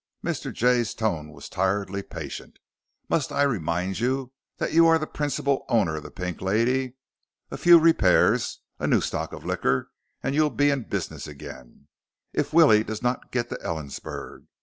Mr. Jay's tone was tiredly patient. "Must I remind you that you are the principal owner of the Pink Lady? A few repairs, a new stock of liquor, and you'll be in business again if Willie does not get to Ellensburg.